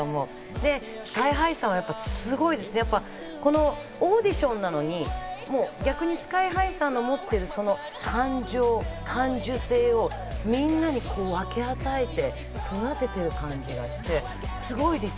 で、ＳＫＹ−ＨＩさんはやっぱりすごい。オーディションなのに、逆にＳＫＹ−ＨＩさんの持ってる感情、感受性をみんなに分け与えて育ててる感じがして、すごいです。